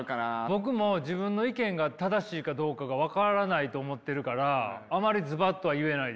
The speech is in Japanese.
僕も自分の意見が正しいかどうかが分からないと思ってるからあまりズバッとは言えないです。